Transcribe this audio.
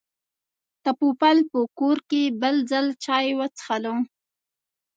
د پوپل په کور کې بل ځل چای وڅښلې.